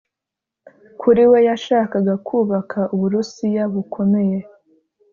Kuri we yashakaga kubaka u Burusiya bukomeye